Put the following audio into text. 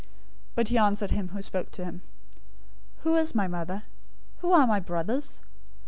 012:048 But he answered him who spoke to him, "Who is my mother? Who are my brothers?"